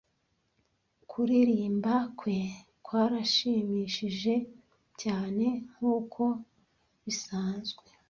Kuririmba kwe kwarashimishije cyane nkuko bisanzwe.